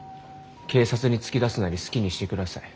警察に突き出すなり好きにしてください。